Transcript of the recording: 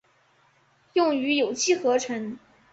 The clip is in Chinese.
用于有机合成。